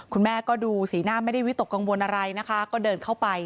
คุณแม่ก็ดูสีหน้าไม่ได้วิตกกังวลอะไรนะคะก็เดินเข้าไป